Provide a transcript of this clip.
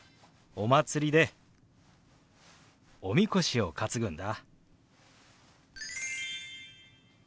お祭りでおみこしを担ぐんだ。